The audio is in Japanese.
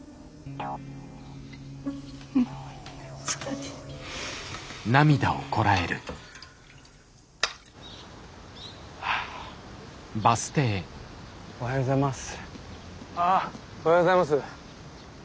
ああおはようございます。